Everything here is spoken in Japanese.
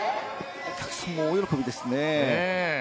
お客さんも大喜びですね。